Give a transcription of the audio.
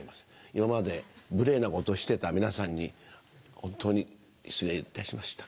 今まで無礼なことしてた皆さんにホントに失礼いたしました。